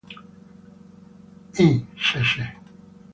I cc.